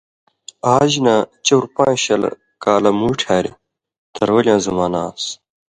آژ نہ چور پان٘ژ شل کالہ موٹھ ہریۡ تروَلیاں زمانہ آن٘س،